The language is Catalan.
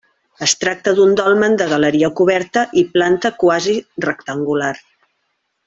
Es tracta d'un dolmen de galeria coberta i planta quasi rectangular.